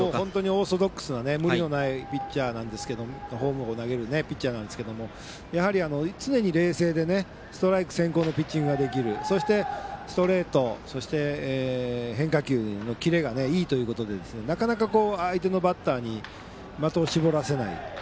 オーソドックスな無理のないフォームで投げるピッチャーですが常に冷静に、ストライク先行でピッチングができるそしてストレート変化球のキレがいいということでなかなか相手のバッターに的を絞らせない。